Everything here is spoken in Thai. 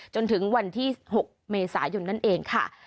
จนถึงวันที่๖เมษายนนั่นเองค่ะ